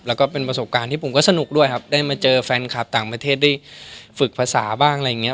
แล้วก็เป็นประสบการณ์ที่ผมก็สนุกด้วยครับได้มาเจอแฟนคลับต่างประเทศได้ฝึกภาษาบ้างอะไรอย่างเงี้